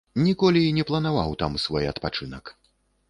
Ніколі і не планаваў там свой адпачынак.